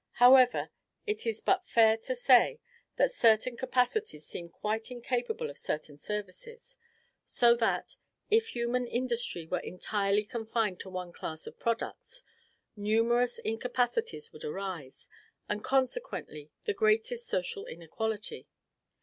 However, it is but fair to say that certain capacities seem quite incapable of certain services; so that, if human industry were entirely confined to one class of products, numerous incapacities would arise, and, consequently, the greatest social inequality.